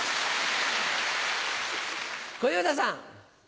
小遊三さん。